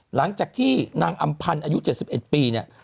หลังจากที่นางอำพันธ์อายุ๗๑ปีเนี่ย